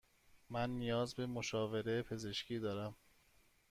من نیاز به مشاوره پزشکی دارم.